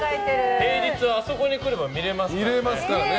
平日は、あそこに来れば見れますからね。